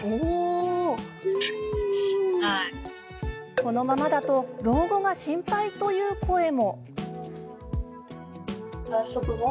このままだと老後が心配という声も。